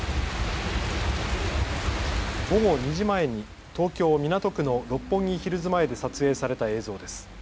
午後２時前に東京港区の六本木ヒルズ前で撮影された映像です。